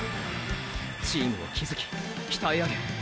チームを築き鍛え上げ